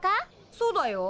そうだよ。